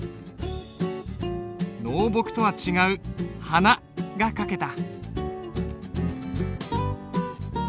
濃墨とは違う「花」が書けた。